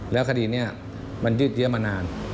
แล้วคดีนี้มันยืดเยอะมานาน